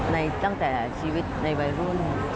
ตั้งแต่ชีวิตในวัยรุ่น